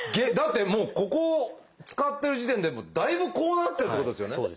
だってもうここを使ってる時点でだいぶこうなってるってことですよね。